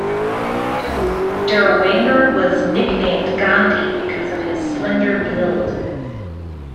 Dirlewanger was nicknamed "Gandhi" because of his slender build.